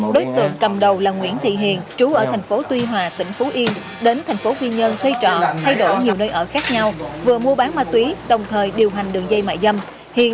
đối tượng cầm đầu là nguyễn thị hiền trú ở thành phố tuy hòa tỉnh phú yên đến thành phố quy nhơn thuê trọ thay đổi nhiều nơi ở khác nhau vừa mua bán ma túy đồng thời điều hành đường dây mại dâm